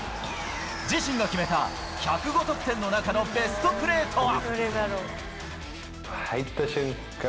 自身が決めた１０５得点の中のベストプレーとは？